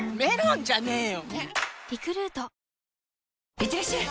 いってらっしゃい！